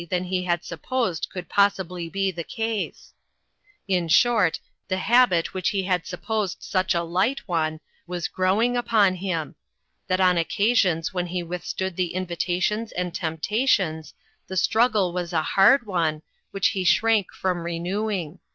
than he had supposed could possibly be the case ; that, in short, the habit which he had supposed such a light one, was growing upon him ; that on occasions when he withstood the invitations and temptations, the struggle was a hard one, which he shrank from re newing.